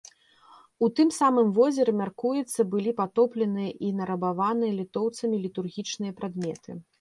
У тым самым возеры, мяркуецца, былі патопленыя і нарабаваныя літоўцамі літургічныя прадметы.